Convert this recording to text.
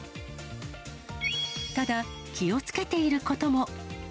ただ、気をつけていることも。